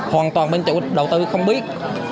hoàn toàn bên chủ đầu tư không biết